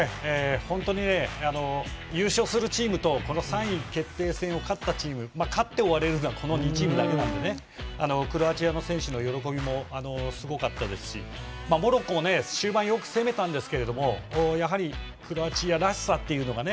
本当に優勝するチームとこの３位決定戦を勝ったチーム勝って終われるはこの２チームだけなのでクロアチアの選手の喜びもすごかったですしモロッコも終盤よく攻めたんですけれどもやはり、クロアチアらしさというのがね